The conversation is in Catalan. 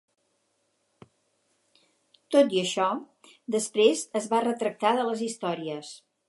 Tot i això, després es va retractar de les històries.